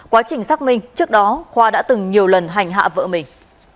quá trình xác minh trước đó khoa đã từng nhiều lần hành hạ vợ mình